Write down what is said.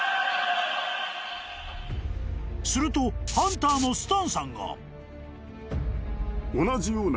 ［するとハンターのスタンさんが］